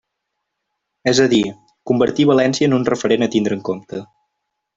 És a dir, convertir València en un referent a tindre en compte.